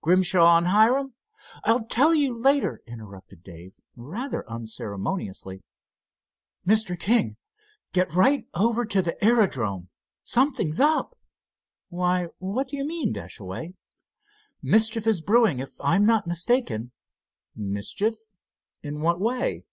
Grimshaw and Hiram——" "I'll tell you later," interrupted Dave, rather unceremoniously. "Mr. King, get right over to the aerodrome. Something's up." "Why, what do you mean, Dashaway?" "Mischief is brewing, if I'm not mistaken." "Mischief? In what way?"